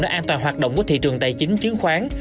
để an toàn hoạt động của thị trường tài chính chiến khoán